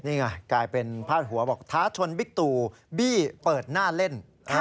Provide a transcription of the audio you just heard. นี่ไงกลายเป็นพาดหัวบอกท้าชนบิ๊กตูบี้เปิดหน้าเล่น